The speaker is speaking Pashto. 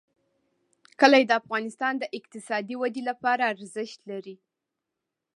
کلي د افغانستان د اقتصادي ودې لپاره ارزښت لري.